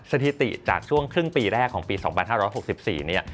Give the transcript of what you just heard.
สถิติจากช่วงครึ่งปีแรกของปี๒๕๖๔เนี่ย